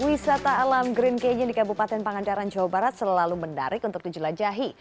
wisata alam green cagi di kabupaten pangandaran jawa barat selalu menarik untuk dijelajahi